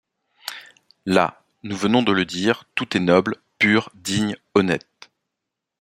Là, nous venons de le dire, tout est noble, pur, digne, honnête.